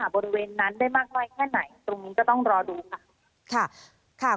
บริเวณนั้นได้มากน้อยแค่ไหนตรงนี้ก็ต้องรอดูค่ะ